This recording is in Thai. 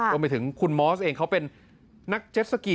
รวมไปถึงคุณมอสเองเขาเป็นนักเจ็ดสกี